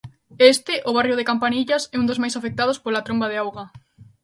Este, o barrio de Campanillas, é un dos máis afectados pola tromba de auga.